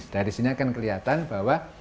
dari sini akan kelihatan bahwa